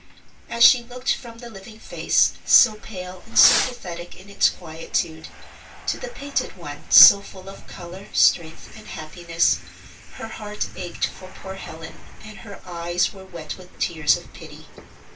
As she looked from the living face, so pale and so pathetic in its quietude, to the painted one so full of color, strength, and happiness, her heart ached for poor Helen, and her eyes were wet with tears of pity.